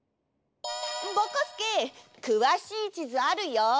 ぼこすけくわしいちずあるよ。